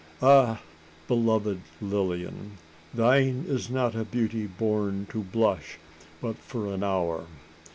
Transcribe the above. Ah! beloved Lilian! thine is not a beauty born to blush but for an hour.